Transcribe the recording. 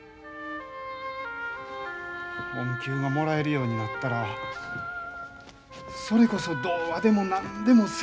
恩給がもらえるようになったらそれこそ童話でも何でも好きなことができるんや。